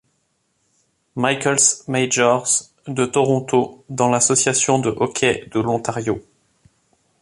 Michael's Majors de Toronto dans l'Association de hockey de l'Ontario.